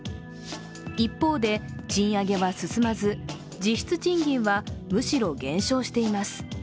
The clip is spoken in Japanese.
一方で賃上げは進まず、実質賃金はむしろ減少しています。